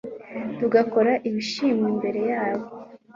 tugakora ibishimwa imbere yayo.'`"